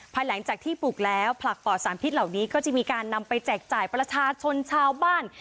หลังจากที่ปลูกแล้วผลักปอดสารพิษเหล่านี้ก็จะมีการนำไปแจกจ่ายประชาชนชาวบ้าน